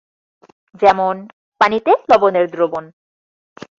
যেমন -পানিতে লবণের দ্রবণ।